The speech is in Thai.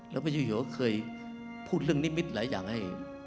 แล้วพระเจ้าอยู่ก็เคยพูดเรื่องนิมิตหลายอย่างให้